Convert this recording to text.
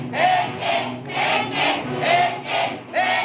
เพลงนี้